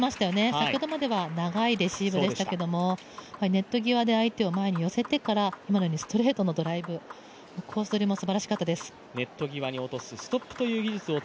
先ほどまでは長いレシーブでしたけど、ネット際で相手を前に寄せてから今のようにストレートのドライブ、コース取りもすばらしかったです。